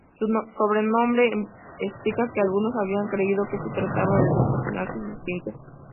Su sobrenombre explica que algunos habían creído que se trataba de dos personajes distintos.